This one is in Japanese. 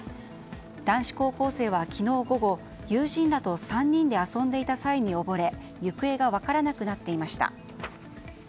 男子高校生は昨日午後友人らと３人で遊んでいた際に溺れ行方が分からなくなっていました。